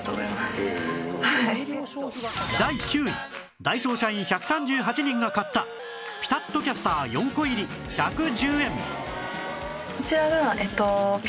第９位ダイソー社員１３８人が買ったピタッとキャスター４個入り１１０円